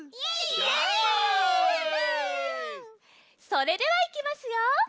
それではいきますよ！